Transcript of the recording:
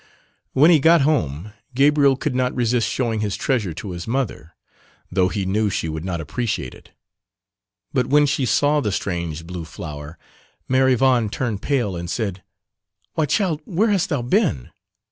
When he got home Gabriel could not resist showing his treasure to his mother, though he knew she would not appreciate it; but when she saw the strange blue flower, Mère Yvonne turned pale and said, "Why child, where hast thou been?